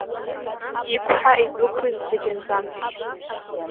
Иқәҳа идәықәлоит зегь анҵәамҭахь.